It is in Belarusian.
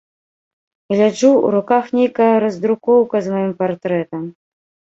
Гляджу, у руках нейкая раздрукоўка з маім партрэтам.